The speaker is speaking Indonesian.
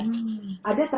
ada tradisi yang menyebutnya